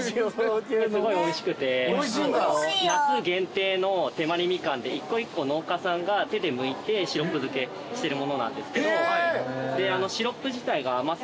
すごいおいしくて夏限定のてまりみかんで１個１個農家さんが手でむいてシロップ漬けしてるものなんですけど。